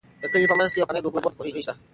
د کلي په منځ کې یو پخوانی او د اوبو ډک کوهی شته.